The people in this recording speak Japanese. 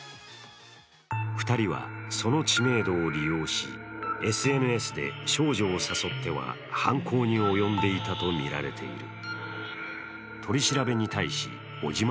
２人はその知名度を利用しＳＮＳで少女を誘っては犯行に及んでいたとみられている。